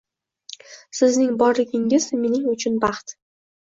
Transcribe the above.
Sizning borligingiz mening uchun baxt